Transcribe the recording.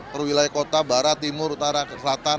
perwilayah kota barat timur utara ke selatan